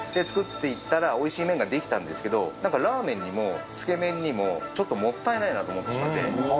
作っていったら、おいしい麺ができたんですけどラーメンにもつけめんにも、ちょっともったいなと思ってしまって。